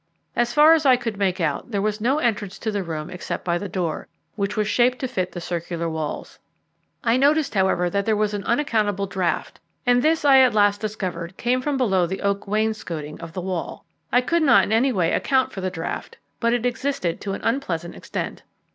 As far as I could make out, there was no entrance to the room except by the door, which was shaped to fit the circular walls. I noticed, however, that there was an unaccountable draught, and this I at last discovered came from below the oak wainscoting of the wall. I could not in any way account for the draught, but it existed to an unpleasant extent.